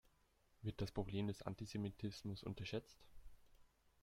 Wird das Problem des Antisemitismus unterschätzt?